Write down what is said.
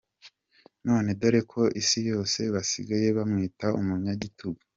None dore ku isi yose basigaye bamwita umunyagitugu.